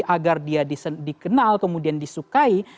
agar dia dikenal kemudian disukai